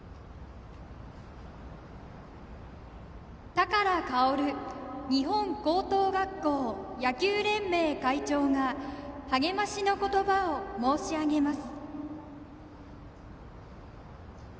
寶馨日本高等学校野球連盟会長が励ましの言葉を申し上げます。